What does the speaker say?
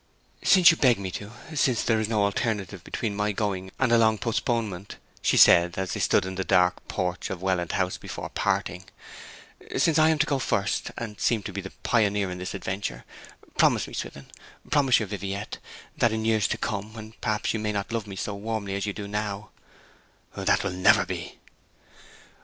'Since you beg me to, since there is no alternative between my going and a long postponement,' she said, as they stood in the dark porch of Welland House before parting, 'since I am to go first, and seem to be the pioneer in this adventure, promise me, Swithin, promise your Viviette, that in years to come, when perhaps you may not love me so warmly as you do now ' 'That will never be.'